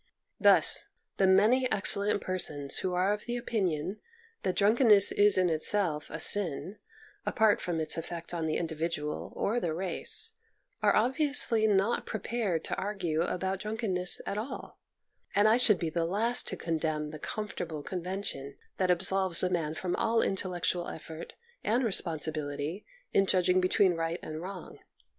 Thus the many excellent persons who are of the opinion that drunkenness is in itself a sin, apart from its effect on the individual or the race, are ob viously not prepared to argue about drunk enness at all, and I should be the last to condemn the comfortable convention that absolves a man from all intellectual effort and responsibility in judging between right and wrong.